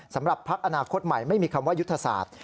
สำหรับพักอาณาคตใหม่ไม่มีคำว่ายุทธศาสตร์